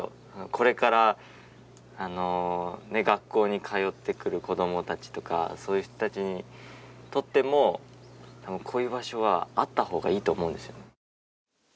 これからあの学校に通ってくる子どもたちとかそういう人たちにとってもたぶんこういう場所はあった方がいいと思うんですよ